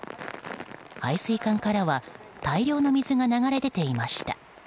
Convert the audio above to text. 排水管からは大量の水が流れ出ていました。